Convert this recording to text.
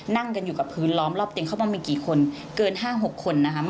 นั่งกันอยู่กับพื้นล้อมรอบเตียงเข้ามามีกี่คนเกิน๕๖คนนะคะ